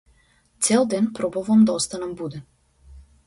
Цел ден пробувам да останам буден.